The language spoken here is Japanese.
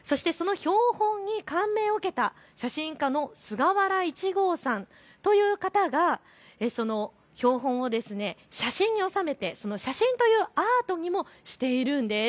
そして、その標本に感銘を受けた写真家の菅原一剛さんという方がその標本を写真に収めて写真というアートにもしているんです。